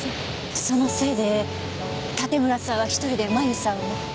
そのせいで盾村さんは１人で麻由さんを。